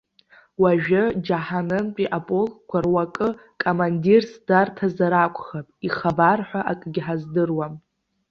Уажәы џьаҳанымтәи аполкқәа руакы командирс дарҭазар акәхап, ихабар ҳәа акгьы ҳаздыруам.